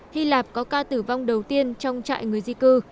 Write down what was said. hy lạp có ca tử vong đầu tiên trong trại người di cư